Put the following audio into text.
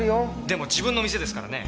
でも自分の店ですからね。